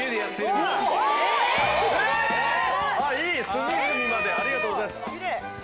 隅々までありがとうございます。